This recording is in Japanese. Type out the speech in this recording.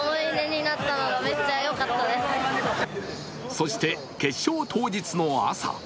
そして、決勝当日の朝。